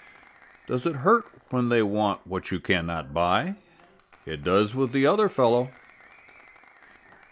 Does it hurt when they want what you cannot buy? It does with the other fellow.